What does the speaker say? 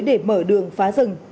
để mở đường phá rừng